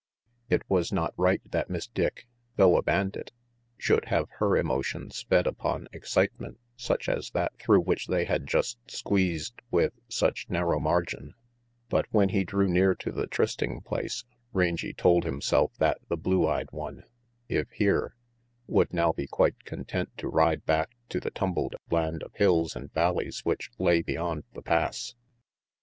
It was not right that Miss Dick, though a bandit, should have her emotions fed upon excitement such as that through which they had just squeezed with such narrow margin; but when he drew near to the trysting place Rangy told himself that the blue eyed one, if here, would now be quite content to ride back to the tumbled land of hills and valleys which lay beyond the Pass.